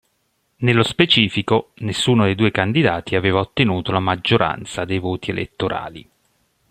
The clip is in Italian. Nello specifico, nessuno dei due candidati aveva ottenuto la maggioranza dei voti elettorali.